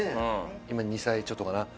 今２歳ちょっとかな。